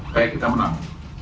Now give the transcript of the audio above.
kayak kita menang